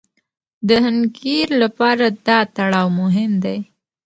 د حنکير لپاره دا تړاو مهم دی.